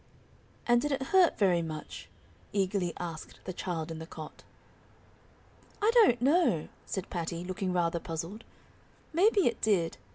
"And did it hurt very much?" eagerly asked the child in the cot. "I don't know," said Patty, looking rather puzzled, "maybe it did.